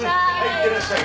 いってらっしゃい。